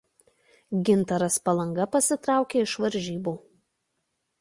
Gintaras Palanga pasitraukė iš varžybų.